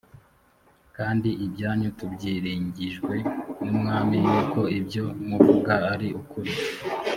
kandi ibyanyu tubyiringijwe n’umwami yuko ibyo muvuga ari ukuri